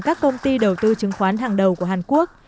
các công ty đầu tư chứng khoán hàng đầu của hàn quốc